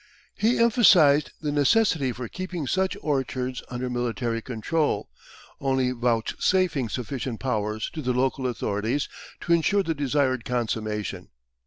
He emphasised the necessity for keeping such orchards under military control, only vouchsafing sufficient powers to the local authorities to ensure the desired consummation.